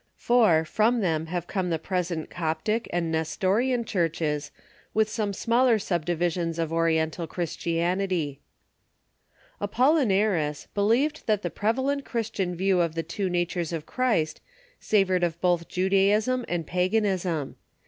For, from them have come the present Coptic and Nestorian churches, with some smaller sub divisions of Oriental Christianity. Apollinaris believed that the prevalent Christian view of the two natures in Christ savored of both Judaism and pagan ism.